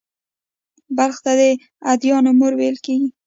بلخ ته «د ادیانو مور» ویل کېږي